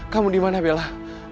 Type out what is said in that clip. kamu dimana bela